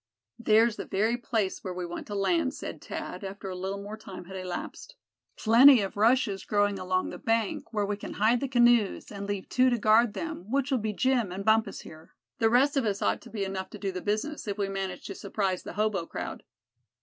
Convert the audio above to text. "There's the very place where we want to land," said Thad, after a little more time had elapsed. "Plenty of rushes growing along the bank, where we can hide the canoes, and leave two to guard them, which will be Jim, and Bumpus here. The rest of us ought to be enough to do the business, if we manage to surprise the hobo crowd."